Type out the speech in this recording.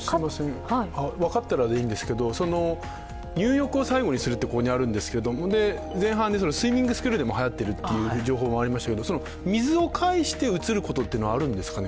分かったらでいいんですけど、入浴を最後にすると、ここにあるんですが、前半でスイミングスクールでもはやっているという情報があったんですけど水を介してうつるってことはあるんですかね。